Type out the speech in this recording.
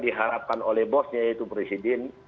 diharapkan oleh bosnya yaitu presiden